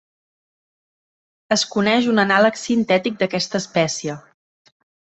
Es coneix un anàleg sintètic d'aquesta espècie.